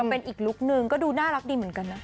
เป็นอีกลุคนึงก็ดูน่ารักดีเหมือนกันนะ